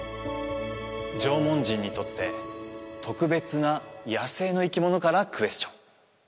縄文人にとって特別な野生の生き物からクエスチョン